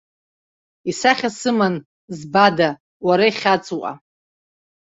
Исахьа сыман збада, уара, ихьаҵуа?!